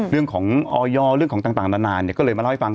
เรื่องของออยเรื่องของต่างนานก็เลยมาเล่าให้ฟัง